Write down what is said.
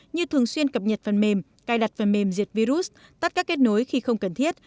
như thường xuyên cập nhật phần mềm cài đặt phần mềm diệt virus tắt các kết nối khi không cần thiết